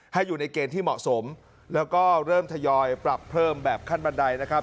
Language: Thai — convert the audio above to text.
อยู่ในเกณฑ์ที่เหมาะสมแล้วก็เริ่มทยอยปรับเพิ่มแบบขั้นบันไดนะครับ